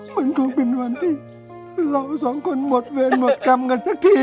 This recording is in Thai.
มันคงเป็นวันที่เราสองคนหมดเวรหมดกรรมกันสักที